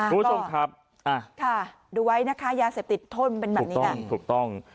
คุณผู้ชมครับค่ะดูไว้นะคะยาเสพติดโทนเป็นแบบนี้ถูกต้องถูกต้อง